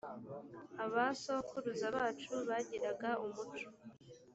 abasokuruza bacu bagiiraga umuco.